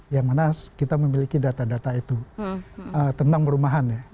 yang mana kita memiliki data data itu tentang perumahan ya